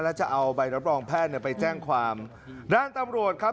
แล้วจะเอาใบรับรองแพทย์เนี่ยไปแจ้งความด้านตำรวจครับ